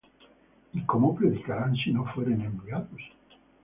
¿Y cómo predicarán si no fueren enviados?